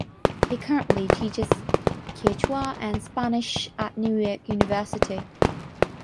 He currently teaches Quechua and Spanish at New York University.